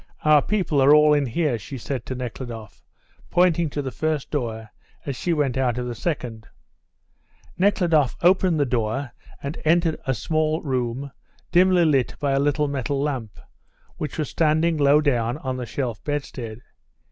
Our people are all in here," she said to Nekhludoff, pointing to the first door as she went out of the second. Nekhludoff opened the door and entered a small room dimly lit by a little metal lamp, which was standing low down on the shelf bedstead.